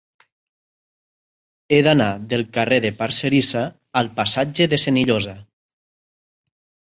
He d'anar del carrer de Parcerisa al passatge de Senillosa.